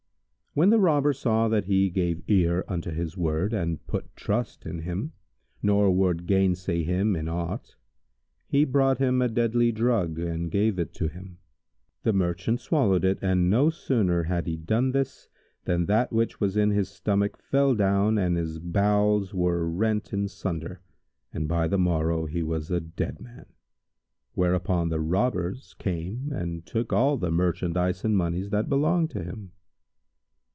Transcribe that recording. When the Robber saw that he gave ear unto his word and put trust in him nor would gainsay him in aught, he brought him a deadly drug[FN#152] and gave it to him. The Merchant swallowed it and no sooner had he done this than that which was in his stomach fell down and his bowels were rent in sunder, and by the morrow he was a dead man; whereupon the Robbers came and took all the merchandise and monies that belonged to him.